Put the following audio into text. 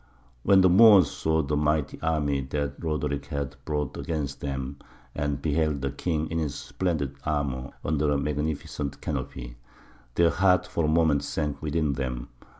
When the Moors saw the mighty army that Roderick had brought against them, and beheld the king in his splendid armour under a magnificent canopy, their hearts for a moment sank within them.